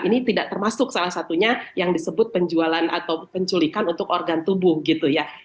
ini tidak termasuk salah satunya yang disebut penjualan atau penculikan untuk organ tubuh gitu ya